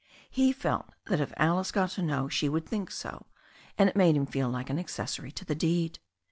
He felt that if Alice got to know she would think so, and it made him feel like an accessory to the deed.